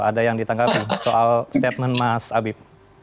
ada yang ditangkap soal statement mas abib